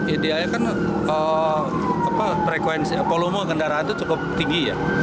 ideanya kan polumo kendaraan itu cukup tinggi ya